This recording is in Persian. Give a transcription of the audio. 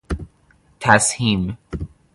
تسهیم